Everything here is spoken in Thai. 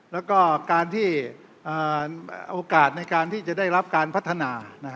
และการอากาศที่จะได้รับการพัฒนา